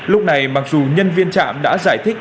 lúc này mặc dù nhân viên trạm đã giải thích